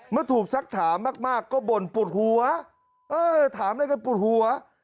เมื่อถูกสักถามมากก็บ่นปวดหัวเออถามอะไรกันปวดหัว